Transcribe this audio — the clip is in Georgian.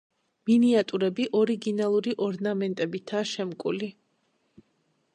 მინიატიურები ორიგინალური ორნამენტებითაა შემკული.